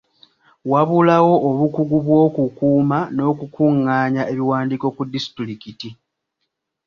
Wabulawo obukugu bw'okukuuma n'okukungaanya ebiwandiiko ku disitulikiti.